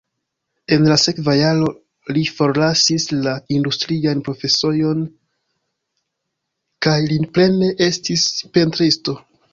En la sekva jaro li forlasis la industrian profesion kaj li plene estis pentristo.